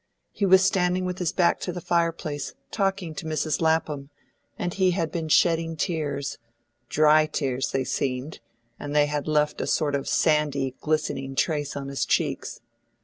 He was standing with his back to the fireplace, talking to Mrs. Lapham, and he had been shedding tears; dry tears they seemed, and they had left a sort of sandy, glistening trace on his cheeks.